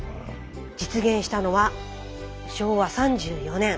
実現したのは昭和３４年。